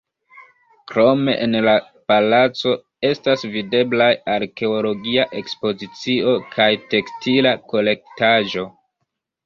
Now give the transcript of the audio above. Krome en la palaco estas videblaj arkeologia ekspozicio kaj tekstila kolektaĵo.